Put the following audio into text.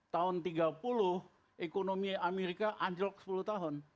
tahun tiga puluh ekonomi amerika anjlok sepuluh tahun